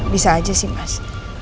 bisa aja sih mas